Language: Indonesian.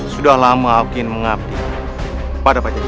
sudah lama aku ingin mengabdi pada pajajar